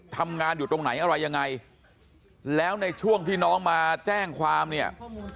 ทำงานอยู่ตรงไหนอะไรยังไงแล้วในช่วงที่น้องมาแจ้งความเนี่ย